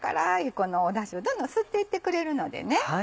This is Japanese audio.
このだしをどんどん吸っていってくれるのでね。